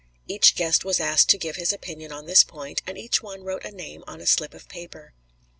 Each guest was asked to give his opinion on this point, and each one wrote a name on a slip of paper.